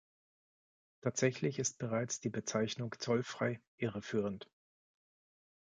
Tatsächlich ist bereits die Bezeichnung "zollfrei" irreführend.